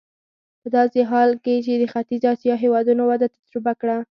په داسې حال کې چې د ختیځې اسیا هېوادونو وده تجربه کړه.